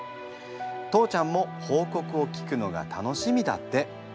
父ちゃんも報告を聞くのが楽しみだって。